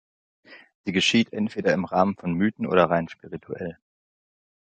Sie geschieht entweder im Rahmen von Mythen oder rein spirituell.